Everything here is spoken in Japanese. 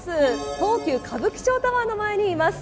東急歌舞伎町タワーの前にいます。